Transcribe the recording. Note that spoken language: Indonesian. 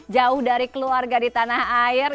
jauh dari keluarga di tanah air